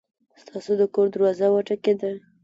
ستاسو د کور دروازه وټکېده!